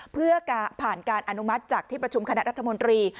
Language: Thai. เพื่อผ่านการอนุมัติจากที่ประชุมคณะรัฐมนตรี